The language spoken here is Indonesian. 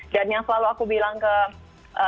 dan yang selalu aku bilang ke